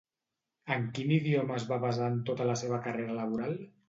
En quin idioma es va basar en tota la seva carrera laboral?